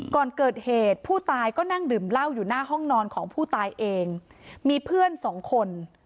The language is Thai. ก่อนเกิดเหตุผู้ตายก็นั่งดื่มเหล้าอยู่หน้าห้องนอนของผู้ตายเองมีเพื่อนสองคน